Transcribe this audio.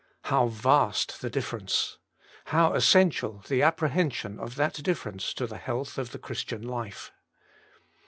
How vast the dif ference. How essential the apprehension of that difference to the health of the Christian life.